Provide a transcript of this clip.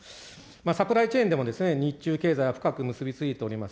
サプライチェーンでも日中経済は深く結びついております。